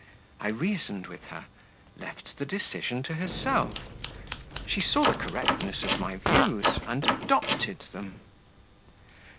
I reasoned with her; left the decision to herself; she saw the correctness of my views, and adopted them."